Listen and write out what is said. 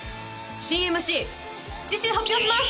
新ＭＣ次週発表します！